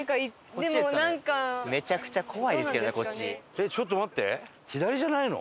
えっちょっと待って左じゃないの？